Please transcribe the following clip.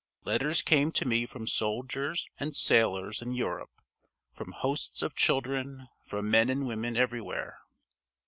Letters came to me from soldiers and sailors in Europe, from hosts of children; from men and women, everywhere.